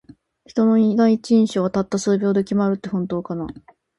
人の第一印象は、たった数秒で決まるって本当かな。